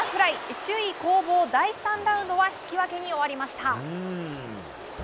首位攻防、第３ラウンドは引き分けに終わりました。